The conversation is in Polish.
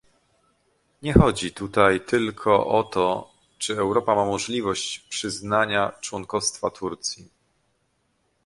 Nie chodzi tutaj tylko o to, czy Europa ma możliwość przyznania członkostwa Turcji